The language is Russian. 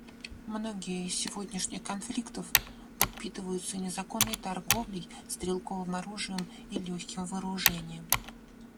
Многие из сегодняшних конфликтов подпитываются незаконной торговлей стрелковым оружием и легкими вооружениями.